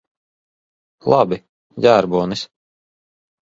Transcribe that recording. Labi. Ģērbonis.